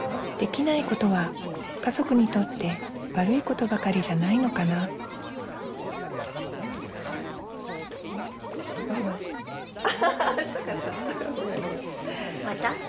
できないことは家族にとって悪いことばかりじゃないのかなバイバイした。